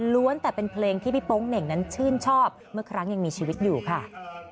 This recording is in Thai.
แต่เป็นเพลงที่พี่โป๊งเหน่งนั้นชื่นชอบเมื่อครั้งยังมีชีวิตอยู่ค่ะ